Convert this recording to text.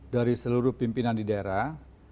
dari seluruh pimpinan di daerah